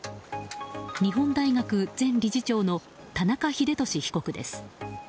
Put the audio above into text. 日本大学前理事長の田中英寿被告です。